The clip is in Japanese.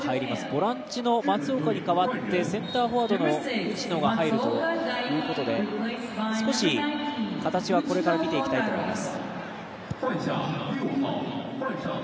ボランチに代わってセンターフォワードの内野が入るということで少し、形はこれから見ていきたいと思います。